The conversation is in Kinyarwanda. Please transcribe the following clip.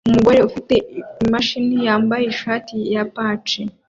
Umugore ufite imashini yambaye ishati ya pach